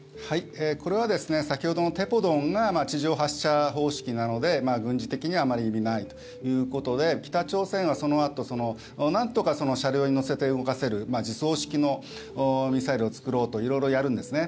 これは先ほどのテポドンが地上発射方式なので軍事的にはあまり意味ないということで北朝鮮はそのあと、なんとか車両に載せて動かせる自走式のミサイルを作ろうと色々やるんですね。